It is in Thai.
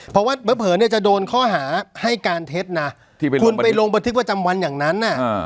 เพราะว่าเผลอเนี่ยจะโดนข้อหาให้การเท็จนะคุณไปลงบันทึกประจำวันอย่างนั้น